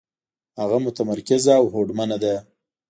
هغه متمرکزه او هوډمنه ده.